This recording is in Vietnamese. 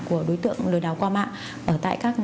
của đối tượng lừa đào qua mạng